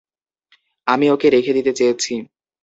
আমি ওকে রেখে দিতে চেয়েছি!